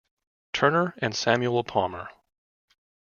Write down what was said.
Turner and Samuel Palmer.